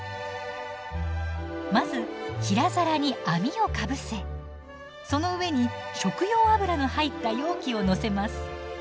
まず平皿に網をかぶせその上に食用油の入った容器を載せます。